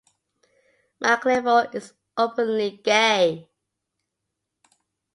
MacIvor is openly gay.